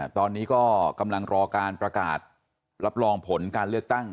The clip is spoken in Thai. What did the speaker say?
ตอนนี้ก็กำลังรอการประกาศรับรองผลการเลือกตั้ง